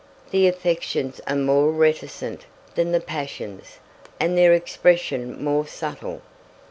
The affections are more reticent than the passions, and their expression more subtle.